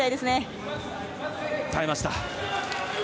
耐えました。